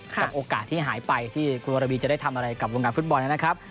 กับโอกาสที่หายไปที่คุณวรวีจะได้ทำอะไรกับวงการฟุตบอลนะครับ